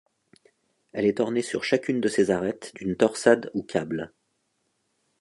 Elle est ornée sur chacune de ses arêtes d’une torsade ou câble.